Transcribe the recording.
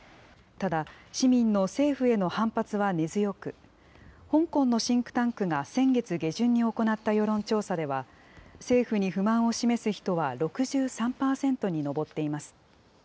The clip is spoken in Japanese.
ただ、市民の政府への反発は根強く、香港のシンクタンクが先月下旬に行った世論調査では、政府に不満を示す人は６３％に上っています。